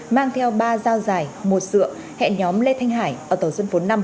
mang theo ba dao dài một dựa hẹn nhóm lê thanh hải ở tổ dân phố năm